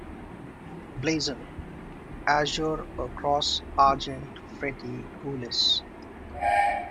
Blazon: Azure a cross Argent fretty Gules.